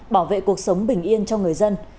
bảo vệ cuộc sống bình yên cho người dân